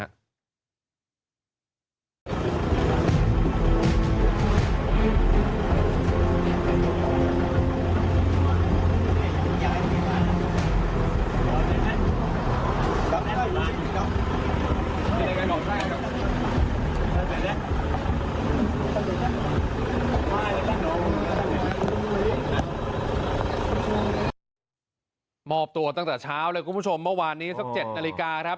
มอบตัวตั้งแต่เช้าเลยคุณผู้ชมเมื่อวานนี้สัก๗นาฬิกาครับ